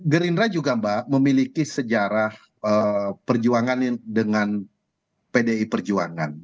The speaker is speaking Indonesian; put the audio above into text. gerindra juga mbak memiliki sejarah perjuangan dengan pdi perjuangan